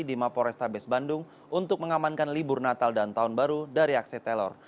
di mapolresta bes bandung untuk mengamankan libur natal dan tahun baru dari aksi telor